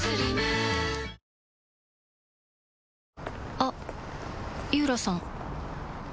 あっ井浦さん